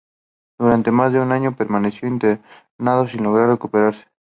Durante más de un año permaneció internado sin lograr recuperarse.